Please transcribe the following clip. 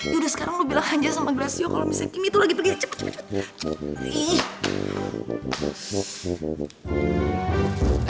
yaudah sekarang lo bilang aja sama glassio kalo misalnya kimi tuh lagi pergi cepet cepet cepet